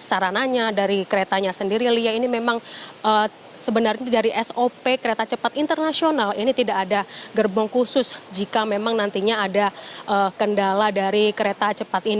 sarananya dari keretanya sendiri lia ini memang sebenarnya dari sop kereta cepat internasional ini tidak ada gerbong khusus jika memang nantinya ada kendala dari kereta cepat ini